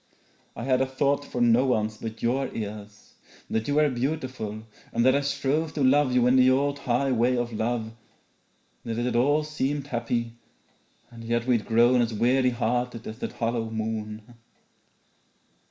I had a thought for no one's but your ears; That you were beautiful and that I strove To love you in the old high way of love; That it had all seemed happy, and yet we'd grown As weary hearted as that hollow moon.